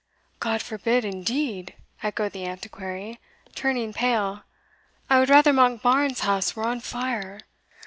"God forbid indeed!" echoed the Antiquary, turning pale "I would rather Monkbarns House were on fire.